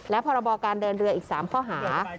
และพรบการเดินเรืออีก๓ข้อหา